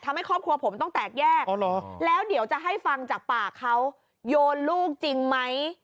ทำให้ครอบครัวผมต้องแตกแยกแล้วเดี๋ยวจะให้ฟังจากปากเขาโยนลูกจริงไหม